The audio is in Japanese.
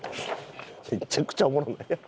めちゃくちゃおもろないやろ？